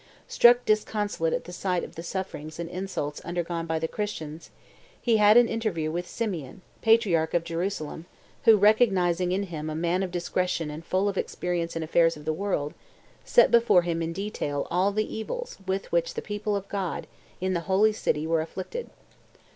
Struck disconsolate at the sight of the sufferings and insults undergone by the Christians, he had an interview with Simeon, patriarch of Jerusalem, who "recognizing in him a man of discretion and full of experience in affairs of the world, set before him in detail all the evils with which the people of God, in the holy city, were afflicted.